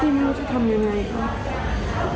พี่ไม่รู้จะทำยังไง